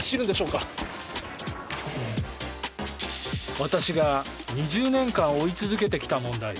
私が２０年間追い続けてきた問題。